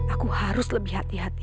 aku harus lebih hati hati